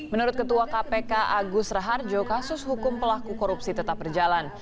menurut ketua kpk agus raharjo kasus hukum pelaku korupsi tetap berjalan